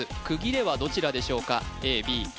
区切れはどちらでしょうか？